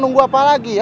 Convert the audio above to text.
nunggu apa lagi ya